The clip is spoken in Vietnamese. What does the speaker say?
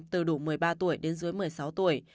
từ đủ một mươi ba tuổi đến dưới một mươi sáu tuổi